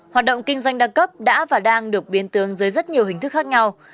hoạt động kinh doanh đăng cấp đã và đang được biên tương dưới rất nhiều hình thức khác nhau